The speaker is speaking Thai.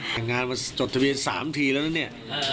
แต่งงานมาจดทะเบียน๓ทีแล้วนะเนี่ย